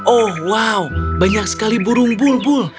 oh wow banyak sekali burung bul bul